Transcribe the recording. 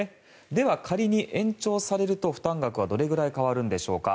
では、仮に延長されると負担額はどれくらい変わるんでしょうか。